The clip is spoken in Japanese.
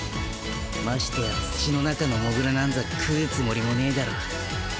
ましてや土の中のモグラなんざ喰うつもりもねえだろう。